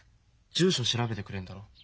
住所調べてくれるんだろ？